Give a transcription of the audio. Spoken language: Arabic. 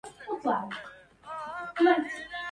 أعلم ما تعنيه يا جمال.